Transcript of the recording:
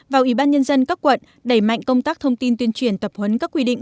và ủy ban nhân dân các quận đẩy mạnh công tác thông tin tuyên truyền tập huấn các quy định